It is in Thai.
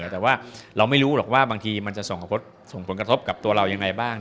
แต่ว่าเราไม่รู้หรอกว่าบางทีมันจะส่งผลกระทบกับตัวเรายังไงบ้าง